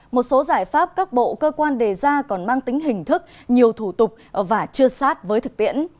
một số giải pháp các bộ cơ quan đề ra còn mang tính hình thức nhiều thủ tục và chưa sát với thực tiễn